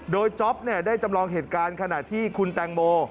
โดยจ๊อปได้จำลองเหตุการณ์ขณะที่คุณแตงโม